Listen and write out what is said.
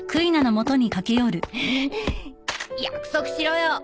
約束しろよ！